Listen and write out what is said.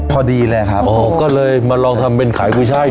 พอดีแหละครับอ๋อก็เลยมาลองทำเป็นขายผู้ชายดู